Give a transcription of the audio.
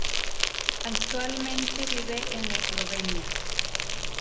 Actualmente vive en Eslovenia.